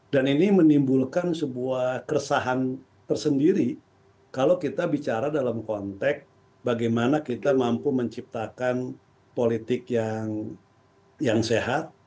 dan ini menimbulkan sebuah keresahan tersendiri kalau kita bicara dalam konteks bagaimana kita mampu menciptakan politik yang sehat